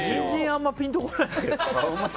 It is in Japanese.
あんまりぴんと来ないですけど。